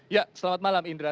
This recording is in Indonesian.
ya selamat malam indra